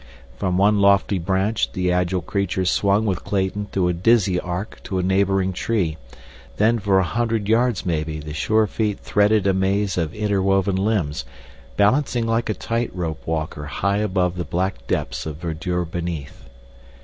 From one lofty branch the agile creature swung with Clayton through a dizzy arc to a neighboring tree; then for a hundred yards maybe the sure feet threaded a maze of interwoven limbs, balancing like a tightrope walker high above the black depths of verdure beneath.